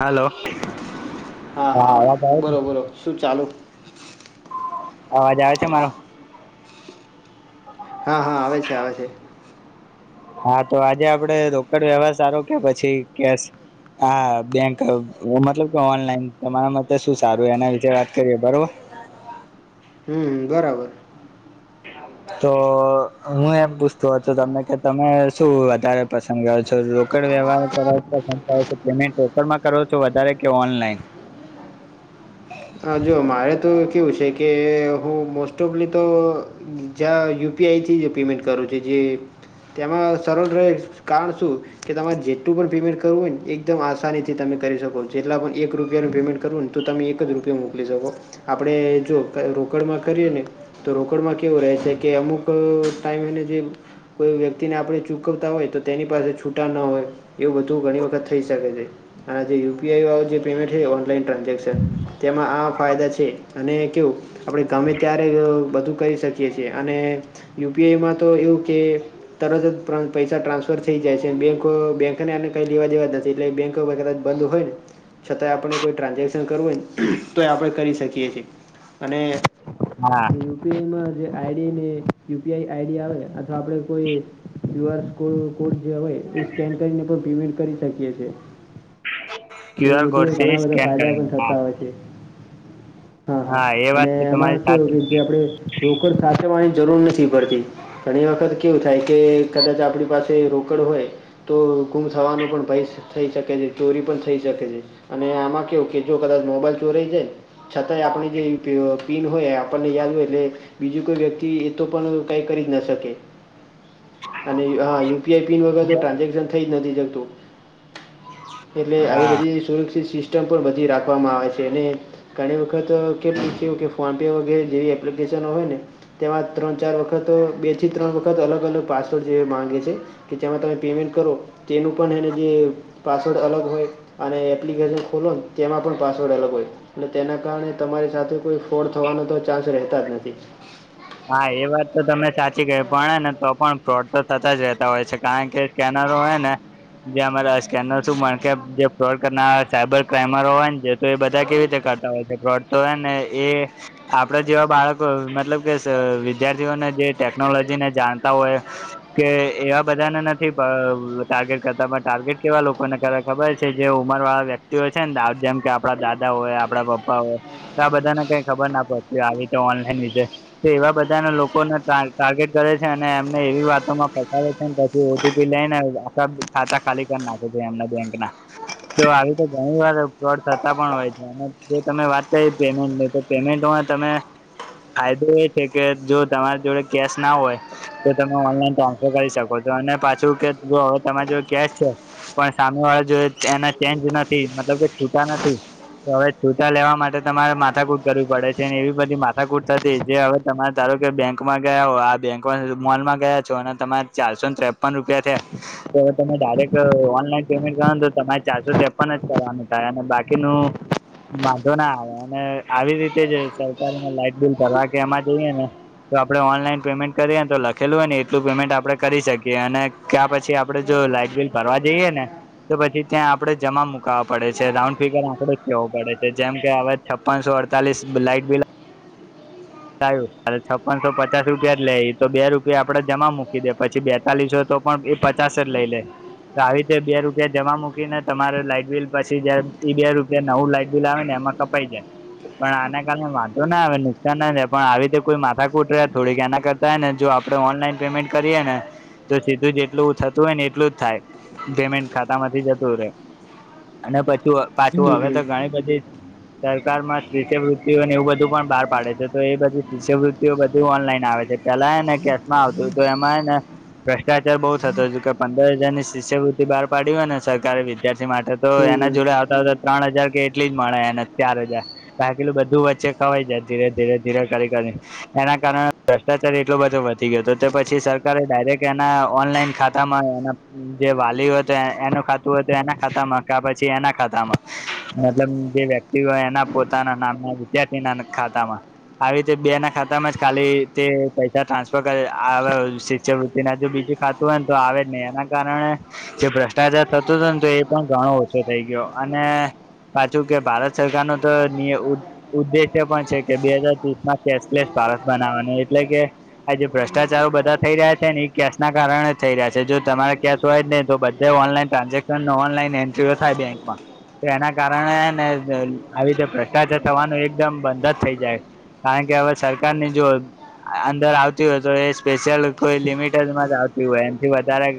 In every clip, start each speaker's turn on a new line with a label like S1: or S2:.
S1: હાલો
S2: હા હા
S1: અવાજ આવે
S2: બલો
S1: છે
S2: બલો શું ચાલુ?
S1: અવાજ આવે છે મારો?
S2: હા હા આવે છે આવે છે.
S1: હા તો આજે આપડે રોકડ વ્યવહાર સારો કે પછી કેશ? હા બેંક મતલબ કે ઓનલાઈન તમારા માટે શું સારું એના વિશેે વાત કરીએ બરોબર?
S2: હમ બરાબર.
S1: હા [inaudible] તો હું એમ પૂછતો હતો તમે કે તમે શું વધારે પસંદ કરો છો રોકડ વ્યવહાર? પેમેન્ટ રોડ માં કરો છો વધારે કે ઓનલાઈન?
S2: હ જો મારે તો કેવું છે કે હું મોસ્ટ ઓફલી તો! જ્યાં યુપીઆઈથી જે પેમેન્ટ કરો છે જે. તેમાં સર રહે કારણ શું? કે તમારે જેટલું પણ પેમેન્ટ કરવું હોય ને એકદમ આસાનીથી તમે કરી શકો જેટલા પણ એક રૂપિયાનું પેમેન્ટ કરવું ને. તો તમે એક જ રૂપિયા મોકલી શકો આપણે જો રોકડમાં કરીએ ને. તો રોકડમાં કેવું રહે છે કે અમુક ટાઈમ એને જે. કોઈ વ્યક્તિને આપણે ચૂકવતા હોય તો તેની પાસે છૂટા ના હોય. એવું બધું ઘણી વખત થઈ શકે છે અને જે યુપીઆઈ વાળું જે પેમેન્ટ છે ઓનલાઈન ટ્રાન્ઝેક્શન. તેમાં આ ફાયદા છે અને કવું. આપણે ગમે ત્યારે બધું કરી શકીએ છેએ અને યુપીઆઈમાં તો એવું કે. તરત જ પૈસા ટ્રાન્સફર થઈ જાય છે બેંકો બેંકને આને કંઈ લેવા દેવા જ નથી એટલે બેન્કો કા. બંધ હોય ને છતાં આપણે કોઈ ટ્રાન્ઝેક્શન કરવું હોય ને. તોય આપણે કરી છીએ અને?
S1: હા
S2: યુપીઆઈમાં જે આઈડી ને યુપીઆઈ આઈડી આવે અથવા આપણેે કોઈ. ક્યુ આર કોડ જે હવે એ સ્કેન કરીને પણ પેમેન્ટ કરી શકીએ છે.
S1: [unintelligible]
S2: એવું બધું
S1: કોડ
S2: હોય
S1: થી
S2: ઘણા બધા
S1: સ્કેન
S2: ફાયદા પણ
S1: કરીને હા
S2: થતા હોય છે. હા હા
S1: એ વાત
S2: અને
S1: તો
S2: એમાં
S1: તમારી
S2: કેવુ
S1: સાચી
S2: કે
S1: છે
S2: જે આપડે રોકડ સાચવવાની જરૂર નથી પડતી. ઘણી એ વખત કેવું થાય કે કદાચ આપણી પાસે રોકડ હોય તો ગુમ થવાનો પણ ભય થઈ શકે છે ચોરી પણ થઈ શકે છે. અને આમાં કેવું કે જો કદાચ મોબાઈલ ચોરાઈ જાય છતાંય આપણી જે પીન હોય આપણને યાદ હોય એટલે બીજું કોઈ વ્યક્તિ એ તો પણ કઈ કરી જ ન શકે અને હા યુપીઆઈ પિન વગર તો ટ્રાન્ઝેક્શન થઈ જ નથી શકતું. એટલે આવી
S1: હા
S2: બધી સુરક્ષિત સિસ્ટમ પણ બધી રાખવામાં આવે છે. જેને ઘણી વખત કેલું થું કે ફોન પે વગેરે જેવી એપ્લિકેશનો હોય ને તેમાં ત્રણ ચાર વખત બેથી ત્રણ વખત અલગ અલગ પાસવર્ડ જે માગે છે. કે જેમાં તમે પેમેન્ટ કરો તેનું પણ એને જે પાસવર્ડ અલગ હોય અને એપ્લિકેશન ખોલો ને તેમાં પણ પાસ અલગ હોય તેના કારણે તમારી સાથે કોઈ ફોડ થવાનો તો ચાન્સ રહેતા જ નથી.
S1: હા એ વાત તો તમે સાચી કરી પણ ને તો પણ ફ્રોડ તો થતા જ રહેતા હોય છે કારણ કે કેનારો હને જે અમારા સ્કેનર શું મા કે જે ફ્રોડ કરનાર સાયબર ક્રાઈમર હોય ને તો એ બધા કેવી રીતે કરતા હોય છે ફ્રોડ તો હોય ને એ આપણા જેવા બાળકો મતલબ વિદ્યાર્થીઓ જે ટેકનોલોજી ને જાણતા હોય કે એવા બધાને નથી ટાર્ગેટ કરતા પણ ટાર્ગેટ કેવા લોકોને કરે ખબર છે જે ઉંમર વાળા વ્યક્તિ હો છે ને દા જેમ કે આપડા દાદા હોય આપડા પપ્પા હોય તો આ બધાને કઈ ખબર ના પડતી આવી તો ઓનલાઈન વિશે તો એવા બધાને લોકોને ટા ટાર્ગેટ કરે છે અને એમને એવી વાતોમાં ફસાવે છે. ઓટીપી લઈને આખા ખાતા ખાલી કરી નાખે છે એમના બેંક ના. તો આવી તો ઘણી વાર ફ્રોડ થતા પણ હોય છે. જે તમે વાત કરી પેમેન્ટની તો પેમેન્ટમાં તમે ફાયદો જો તમારી જોડે કેસ ના હોય તો તમે ઓનલાઈન ટ્રાન્સફર કરી શકો છો અને પાછું કે જો હવે તમારી જો કેશ છે પણ સામે વાળા જોડે એના ચેન્જ નથી મતલબ કે છૂટા પછી તો હવે છૂટા લેવા માટે તમારે માથાકૂટ કરવી પડે છે ને એવી બધી માથાકૂટ થતી જે હવે તમે ધારો કે બેંકમાં ગયા હો આ બેંકમાં મોલમાં ગયા છો અને તમારે ચારસોને ત્રેપન રૂપિયા થયા તોવે તમે ડાયરેક્ટ ઓનલાઈન પેમેન્ટ કરો તો તમારે ચારસો તેપણ જ કરવાનું થાય અને બાકીનું વાંધો ના આવે અને આવી રીતે જ સરકારમાં લાઈટ બિલ ભરવા કે એમાં જઈએ ને તો આપડે ઓનલાઈન પેમેન્ટ કરીએ તો લખેલું હોય ને એટલું પેમેન્ટ આપડે કરી શકીએ અને કા પછી આપડે જો લાાઈટ બિલ ભરવા જઈએ ને તો પછી ત્યાં આપડે જમા મુકવા પડે છે રાઉન્ડ ફિગર આકડો જ કેવો પડે છે જેમ કે હવે છપ્પનસો અડતાલીસ લાઈટ બિલ આયુ છપનસો પચાસ રૂપિયા જ લે એ તો બે રૂપિયા આપડે જમા મૂકી દે પછી બે તાલીશ હોય તો પણ એ પચાસ જ લઈ લે તો આવી રીતે બે રૂપિયા જમા મૂકીને તમારે લાઈટ બિલ પછી જ્યારે એ બે રૂપિયા નવું લાઈટ બિલ આવે ને એમાં ક પણ આના કારણે મ વાંધો ના આવે નુકસાન ના જાય પણ આવી રીતે કોઈ માથાકૂટ રે થોડીક એના કરતા હોય ને જો આપડે ઓનલાઈન પેમેન્ટ કરીએ ને તો સીધું જેટલું થતું હોય ને એટલું જ થાય પેમેન્ટ ખાતામાંથી જતું રહે અને પાછુ
S2: હમ
S1: પાછું હવે
S2: હમ
S1: તો ઘણી બધી સરકારમાં શિષ્યવૃતિ હોય એવું બધું પણ બહાર પાડે છે તો એ બધી શિષ્યવૃત્તિઓ બધું ઓનલાઈન આવે છે પહેલા ને કેશ માં આવતું તો એમાં ને, ભ્રષ્ટાચાર બહુ થતો કે પંદર હજારની શિષ્યવૃત્તિ બહાર પાડી હોય ને સરકારે વિદ્યાર્થી માટે તો
S2: હમ
S1: એના
S2: હમ
S1: જોડે આ ત્રણ હજાર કે એટલી જ મળે એને ચાર હજાર બાકી લું બધું વચ્ચે ખવાય જાય ધીરે ધીરે ધીરે કરી કરીને એના કારણે ભ્રષ્ટાચાર એટલો બધો વધી ગયો હતો તે પછી સરકારે એના ઓનલાઈન ખાતા તમામાં એના જે વાલી હોય તો એનું ખાતું હતું એના ખાતામાં કા પછી એના ખાતામાં મતલબ જે વ્યક્તિ તિ હોય એના પોતાના નામ ના વિદ્યાર્થી ના ખાતામાં આવી રીતે બે ના ખાતામાં જ ખાલી તે પૈસા ટ્રાન્સફર કરે આવ શિસવુતી તેનાજુ બીજું ખાતું હોય ને તો આવે જ નહી એના કારણે જે ભ્રષ્ટાચાર થતો હતો ને તો એ પણ ઘણો ઓછો થઈ ગયો અને પાછું કે ભારત સરકાર નો તો નિય, ઉદ્દેશ્ય પણ છે કે બે હજાર [unintelligible] માં કેશલેસ ભારસ બનાવવાનું એટલે કે આજ જે ભ્રષ્ટાચારો બધા થઈ રહ્યા છે ને એ કેસ ના કારણે જ થઈ રહ્યા છે જો તમારે કેસ હોય જ ને તો બધા તે ઓનલાઈન ટ્રાન્ઝેક્શન ઓનલાઈન એન્ટ્રીઓ થાય બેંકમાં તો એના કારણે હે ને આવી રીતે ભ્રષ્ટાચાર થવાનું એકદમ બંધ જ થઈ જાય કારણ કે હવે સરકાર ની જો અંદર આવતી હોય તો એ સ્પેશિયલ કોઈ લિમિટેડમાં જ હોય એમથી વધારે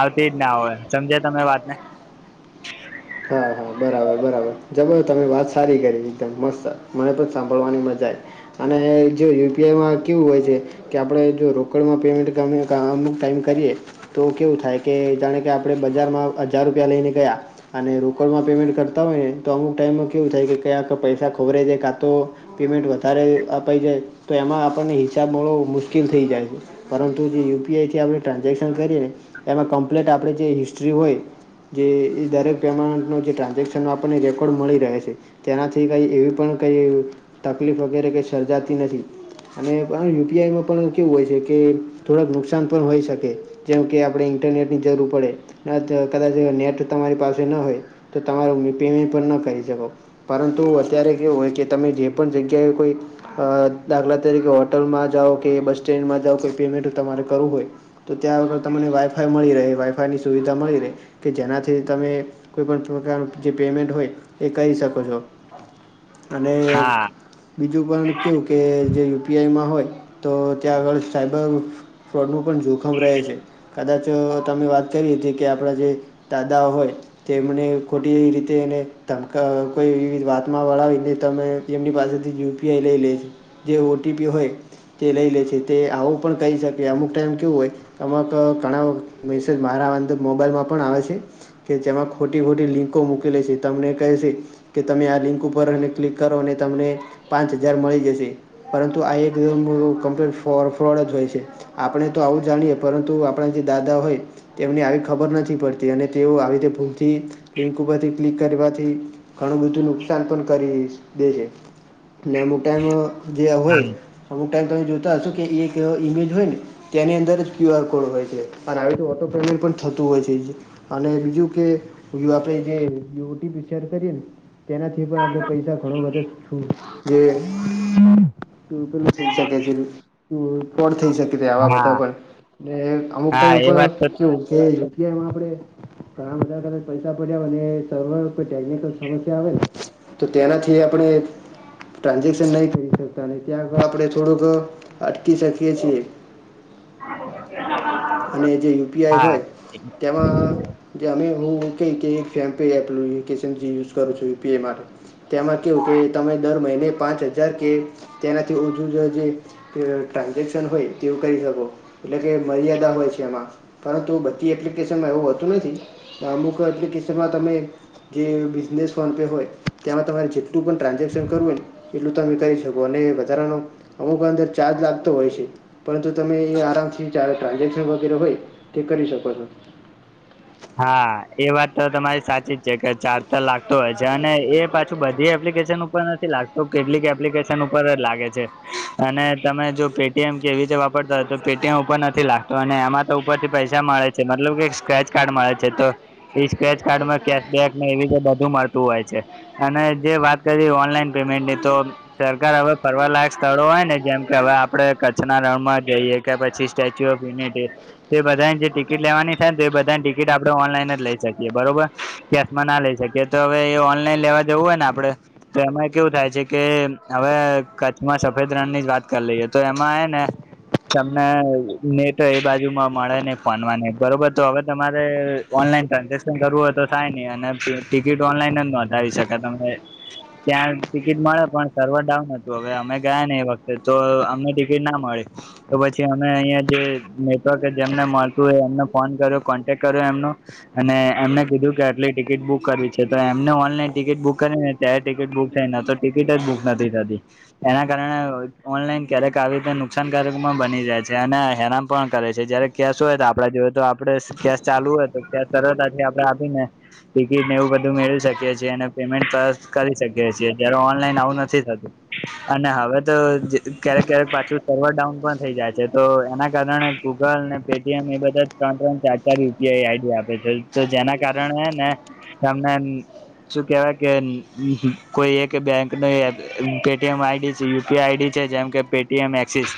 S1: આવતી જ ના હોય સમજે તમે વાતને
S2: હા બરાબર બરાબર જબો તમે વાત સારી કરી એકદમ મસ્ત મને પણ સાંભળવાની મજા આવી અને જો યુપીઆઈમાં કેવું હોય છે કે આપણે જો રોકડમાં પેમેન્ટ ક અમુક ટાઈમ કરીએ તો કેવું થાય કે જાણે કે આપણે બજારમાં હજાર રૂપિયા લઈને ગયા અને રૂપ લોકલમાં પેમેન્ટ કરતા હોય ને તો અમુક ટાઈમમાં કેવું થાય કે ક્યાંક પૈસા ખોરે છેે કાં તો પેમેન્ટ વધારે અપાઈ જાય તો એમાં આપણને હિસાબ મળવો મુશ્કેલ થઈ જાય પરંતુ જે યુપીઆઈ થી આપણે ટ્રાન્ઝેક્શન કરીએ ને એમાં કમ્પ્લીટ આપણે જે હિસ્ હિસ્ટ્રી હોય જે એ દરેક પ્રહેમા જે ટ્રાન્ઝેક્શન રેકોર્ડ મળી રહે તેનાથી કઈ એવી પણ કઈ તકલીફ વગેરે કંઈ સર્જાતી નથી અને યુપીઆઈમાં પણ કેવું હોય છે કે થોડાક નુકસાન પણ હોય શકે જેમ કે આપણે ઇન્ટરનેટ ની જરૂર પડે કદાચ નેટ તમારી પાસે ન હોય તો તમારો પેમેન્ટ પણ ન કરી શકો પરંતુ, અત્યારે કેવું હોય કે તમે જે પણ જગ્યાએ કોઈ દાખલા તરીકે હોટલમાં જાઓ કે બસ સ્ટેન્ડમાં જાઓ કે પેમેન્ટ તમારે કરવું હોય તો ત્યાં વગર તમને વાઈફાઈ મળી રહે વાઈફાઈની સુવિધા મળી રહે કે જેનાથી તમે કોઈપણ પ્રકારનું જે પેમેન્ટ હોય એ કરી શકો છો અને
S1: હા
S2: બીજું પણ કવું કે જે યુપીઆઈમાં હોય તો ત્યાં આગળ સાયબર ફ્રોડનું પણ જોખમ રહે છે કદાચ તમે વાત કરી હતી કે આપણા જે દાદાઓ હોય તેમને ખોટી એવી રીતે એને ધમાવ કોઈ એવી વાતમાં વળાવીને તમે એમની પાસેથી યુપીઆઈ લઈ લે છે જે ઓટીપી હોય તે લઈ લે છે તે આવું પણ કહી શકે અમુક ટાઈમ કેવું હોય અક ઘણા મેસેજ મારા વંદ મોબાઈલમાં પણ આવે છે કે જેમાં ખોટી ખોટી લિંકો મૂકેલી છે તમને કહે છે કે કે તમે આ લિંક ઉપર ક્લિક કરો અને તમને પાંચ હજાર મળી જશે પરંતુ આ એક [unintelligible] દિવન કમ્પ્લેટ ફોરફોર્ડ જ હોય છે આપણે તો આવું જાણીએ પરંતુ આપણા જે દાદા હોય તેમને આવી ખબર નથી પડતી અને તેઓ આવી રીતે ભૂલ થી લિંક ઉપરથી ક્લિક કરવાથી ઘણું બધું નુકસાન પણ કરી શકે છે. એટલે અમુક ટાઈમ જે
S1: હા
S2: હોય અમુક ટાઈમ તમે જોતા હશો કે ઈય એક ઇમેજ હોય ને તેની અંદર જ ક્યુઆરકોડ હોય છે અને આવી તો ઓટોપેમેન્ટ પણ થતું હોય છે. અને બીજું કે એવું આપડે જે ઓટીપી ચેક કરીએ ને તેનાથી પણ આપણે પૈસા ઘણો વધે છુટ એ પેલું થઈ શકે છે. [unintelligible] થઈ શકે [unintelligible] આવા બધા
S1: હા
S2: પણ ને અમુક
S1: હા
S2: ટાઈમ
S1: એ વાત તો
S2: પણ કેવું કે કે એમાં આપણે ઘણા બધા કદાચ પૈસા પડ્યા અને સર્વર કોઈ ટેકનિકલ સમસ્યા આવેને તો તેનાથી આપણે ટ્રાન્ઝેક્શન નહી કરી શકતા ન ત્યાં આપડણે થોડોક અટકી શકીએ છીએ.
S1: [inaudible]
S2: અને જે યુપીઆઈ
S1: હા
S2: હોય તેમાં જે અમે હું એમ કહીએ કે [unintelligible] એપનું [unintelligible] જે યુઝ કરું છું યુપીઆઈમાં તેમાં કેવું કે તમે દર મહિને પાંચ હજાર કે તેનાથી ઓછું જ જે તે ટ્રાન્ઝેક્શન હોય તેવું કરી શકો એટલે કે મર્યાદા હોય છે એમાં પરંતુ બધી એપ્લિકેશનમાં એવું હોતું નથી પણ અમુક એપ્લિકેશનમાં તમે કે બિઝનેસ ફોન પે હોય તેમાં તમારે જેટલું પણ ટ્રાન્ઝેક્શન કરવુ હોઈ એટલું તમે કરી શકો અને વધારાનો અમુક અંદર ચાર્જ લાગતો હોય છે. પરંતુ જો તમે એ આરામથી જ્યારે ટ્રાન્ઝેક્શન વગેરે હોય તે કરી શકો છો.
S1: હા એ વાત તો તમારી સાચી જ છે કે ચાર્જે તો લાગતો હોય છે અને એ પાછું બધી એપ્લિકેશન ઉપર નથી લાગતો કેટલીક એપ્લિકેશન ઉપર લાગે છે. અને તમે જો પેટીએમ કે એવી રીતે વાપરતા હોય તો પેટીએમ ઉપર નથી લાગતો અને એમાં ઉપરથી પૈસા મળે છે મતલબ કે એક સ્ક્રેચ કાર્ડ મળે છે તો એ સ્ક્રેચ કાર્ડ માં કેશ બેક ને એવી રીતે બધુ મળતું હોય છે. અને જે વાત કરી ઓનલાઈન પેમેન્ટની તો સરકાર હવે ફરવાલાયક સ્થળો હોય ને જેમ કે હવે આપડે કચ્છના રણમાં જઈએ કે પછી સ્ટેચ્યુ ઓફ યુનિટી એ બધાની જે ટિકિટ લેવાની થાયને તે બ ધી ટિકિટ આપડણે ઓનલાઈન જ લઈ શકીએ બરોબર કેશમાં ના લઈ શકીએ તો હવે એ ઓનલાઈન લેવા જવું હોય ને આપડે તો એમાં કેવું થાય છે કે હવે કચ્છમાં સફેદ રણની જ વાત કરી લઈએ તો એમાં હેને તમને નેટ એ બાજુ માં મળે નહી ફોનમાં બરોબર તો હવે તમારે ઓનલાઈન ટ્રાન્ઝેક્શન કરવું હોય તો થાય નહી અને ત ટિકિટ ઓનલાઈન જ નોંધાવી શકે તમે ત્યાં ટિકિટ મળે પણ સર્વર ડાઉન હતું હવે અમે ગયા ને એ વખતે તો અમને ટિકિટ ના મળી તો પછી અમે અહિયાંયા જે નેટવર્ક જેમને મળતું હોય એમને ફોન કર્યો કોન્ટેક્ટ કર્યો એમનો અને એમને કીધું કે આટલી ટિકિટ બુક કરવી છે તો એમને ઓનલાઈન ટિકિટ બુક કરીને ત્યારે ટિકિટ બુક થઈ ને તો ટિકિટ જ બુક નથી થતી. એના કારણે ઓનલાઈન ક્યારેક આવી રીતે નુકસાનકારકમાં બની જાય છે અને હેરાન પણ કરે છે જ્યારે કેશ હોય તો આપડા જોડે તો આપડે કેશ ચાલુ હોય તો કેશ સરળતાથી આપડે આપીને ટિકિટને એવું બધું મેળવી શકીએ છીએ અને પેમેન્ટ તરત કરી શકીએ છીએ જ્યારે ઓનલાઈન આવું નથી થતું. [inaudible] અને હવે તો જ ક્યારેક ક્યારેક પાછું સર્વર ડાઉન પણ થઈ જાય છે તો એના કારણે ગૂગલ ને પેટીએમ એ બધાજ ત્રણ-ત્રણ, ચાર ચા ર યુપીઆઈ આઈડી આપે છે તો જેના કારણે હે ને તમને શું કેવાય કે કોઈ એક બેંક ને પેટીએમ આઈડી છે યુપીઆઈ આઈડી છે જેમ પેટીએમ એક્સિસ.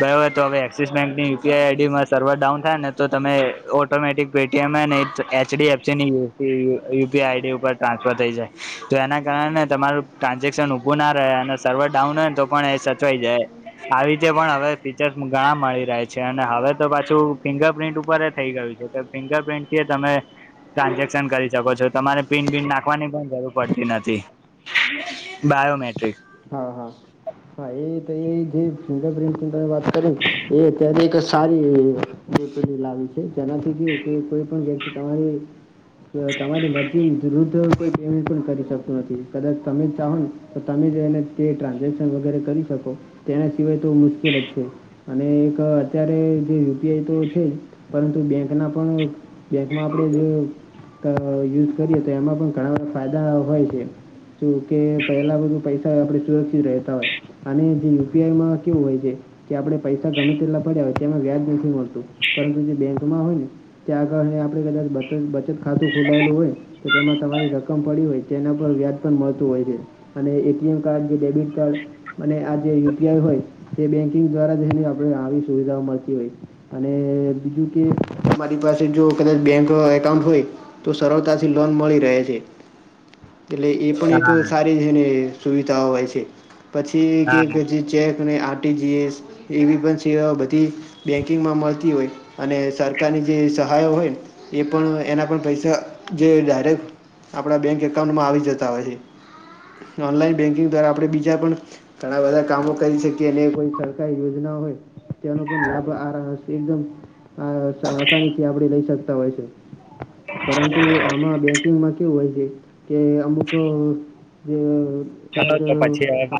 S1: બરોબર તો હવે એક્સિસ બેંકની યુપીઆઈ આઈડીમાં સર્વર ડાઉન થાય ને તો તમે ઓ - ઓટોમેટિક પેટીએમ હેને એચ એચડીએફસીની યુ યુપીઆ આઈડી ઉપર ટ્રાન્સફર થઈ જાય. તો એના કારણે તમારું ટ્રાન્ઝેક્શન ઉભુંના રહે અને સર્વર ડાઉન હોયને તો પણ એ સચવાઈ જાય. આવી રીતે પણ હવે ફીચર્સ ઘણા મળી રહે છે અને હવે તો પાછું ફિંગર પ્ર્રિન્ટ ઉપર થઇ ગયું - એતો ફિંગર પ્રિન્ટથી તમે ટ્રાન્ઝેક્શન કરી શકો છો, તમારે પિન બિન નાખવાની પણ જરૂર પડતી નથી. બાયોમેટ્રિક,
S2: હા, હા. હા એતો એજે ફિંગર પ્રિ -વાત કરીને એ અત્યારે એક સારી એ. [inaudible] લાવી છે, જેનાથી કું કે કોઈપણ વ્યક્તિ તમારી, [unintelligible] [inaudible] કોઈપણ કરી શકતું નથી કદાચ તમે જને તો તમે જ એને, [inaudible] [unintelligible] તે ટ્રાન્ઝેક્શન વગેરે કરી શકો તેના સિવાય તો મુશ્કેલ જ છે, અને એક અત્યારે જે યુપીઆઈ તો છે, પરંતુ બેંકના પણ. બેંકમાં આપણે જે, યુઝ કરીએ તો એમાં પણ ઘણા બધા ફાયદા હોય છે, તોકે પહેલાં બધું પૈસા- આપણે સુરક્ષિત રહેતા - અને જે યુપીઆઈમાં કેવું હોય છે, કે આપણે પૈસા ગમે તેટલા પડ્યા હોય તેમાં વ્યાજ નથી મળતું. પરંતુ જે બેંકમાં હોય ને ત્યાં આગળને આપણે કદાચ [unintelligible] બચતખાતું ખોલાયેલું હોય, તો તેમાં તમારી રકમ પડી હોય તેના પર વ્યાજ પણ મળતું હોય છે, અને- [unintelligible] એમકાર્ડ જે ડેબિટકાર્ડ અને આજે યુ. પી. આઈ હોય- તે બેન્કિંગ દ્વારા જેની આપણે આવી સુવિધા મળતી હોય- અને બીજું કે તમારી પાસે જો કદાચ બેંક એકાઉન્ટ હોય- તો સરળતાથી લોન મળી રહે છે, એટલે એ પણ એક
S1: હા
S2: સારી- જેની સુવિધાઓ હોય છે, પછી એક
S1: હા
S2: એક જે ચેકને આર. ટી. જી. એસ, એની પછી આ બધી - બેંકિંગમાં મળતી હોય અને સરકારની જે સહાયો હોય, એ પણ એના પણ પૈસા જે ડાયરેક આપણા બેંક એકાઉન્ટમાં આવી જતા હોય- ઓનલાઈન બેન્કિંગ દ્વારા આપણે બીજાપણ, ઘણા બધા કામો કરી શકીએ અને કોઈ સરકારી યોજના હોય, તેનો પણ લાભ આ [unintelligible] આસાનીથી આપણે લઈ શકતા હોય છે. પરંતુ આમાં બેંકિંગમાં કેવું હોય છે, કે અમુક-
S1: ચાલો તો પછી હવે
S2: [unintelligible]